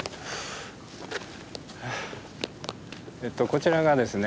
こちらがですね